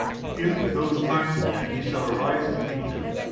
In those times, then, he shall arise and meet them.